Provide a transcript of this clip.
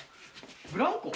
ブランコ？